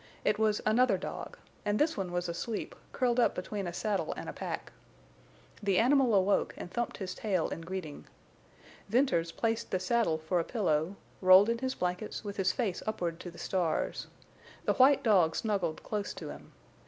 It was another dog, and this one was asleep, curled up between a saddle and a pack. The animal awoke and thumped his tail in greeting. Venters placed the saddle for a pillow, rolled in his blankets, with his face upward to the stars. The white dog snuggled close to him.